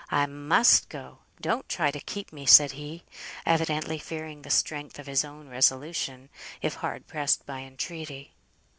I must go. Don't try to keep me," said he, evidently fearing the strength of his own resolution, if hard pressed by entreaty.